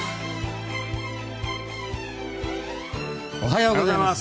おはようございます。